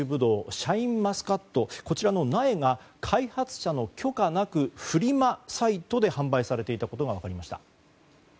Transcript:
シャインマスカットの苗が開発者の許可なくフリマサイトで販売されていたことが分かりました。